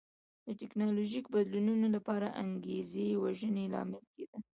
د ټکنالوژیکي بدلونونو لپاره انګېزې وژنې لامل کېده.